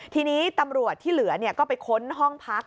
ทีนี้ตำรวจที่เหลือก็ไปค้นห้องพัก